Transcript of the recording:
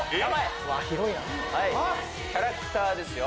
キャラクターですよ。